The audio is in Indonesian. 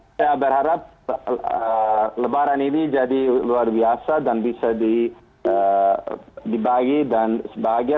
saya berharap lebaran ini jadi luar biasa dan bisa dibagi dan sebahagia